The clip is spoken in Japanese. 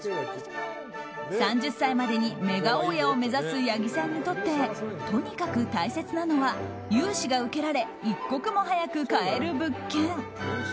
３０歳までにメガ大家を目指す八木さんにとってとにかく大切なのは融資が受けられ一刻も早く買える物件。